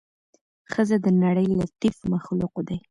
ښځه د نړۍ لطيف مخلوق دې